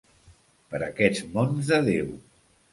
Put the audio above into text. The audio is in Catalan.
Per aquests mons de Déu.